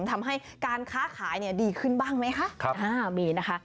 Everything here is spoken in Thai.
ทำให้การค้าขายดีขึ้นบ้างไหมคะมีนะคะ